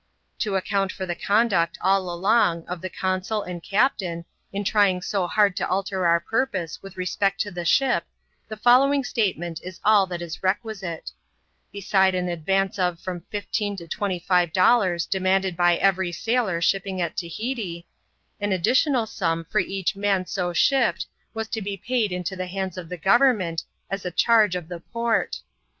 To account for the conduct, all along, of the consul and captain, in trying so hard to alter our purpose with respect to the ship, the following statement \a «^>i\i^\.V&T^fl^\a^\A« CHAP, xxxmi.] LITTLE JULE SAILS WITHOUT US. 161 an advance of from fifteen to twenty five dollars demanded by every sailor shipping at Tahiti, an additional sum for each man 80 shipped has to be paid into the hands of the government, as t charge of the port.